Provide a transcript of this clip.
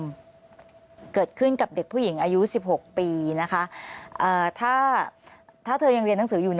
คุณผู้ชมเกิดขึ้นกับเด็กผู้หญิงอายุ๑๖ปีถ้าเธอยังเรียนหนังสืออยู่